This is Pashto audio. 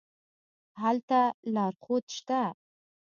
هلته لارښود شته.